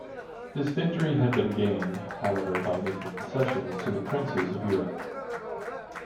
This victory had been gained, however, by making concessions to the princes of Europe.